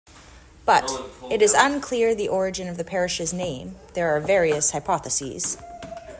But, it is unclear the origin of the parish's name; there are various hypothesises.